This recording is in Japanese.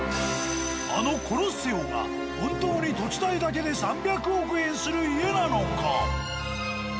あのコロッセオが本当に土地代だけで３００億円する家なのか？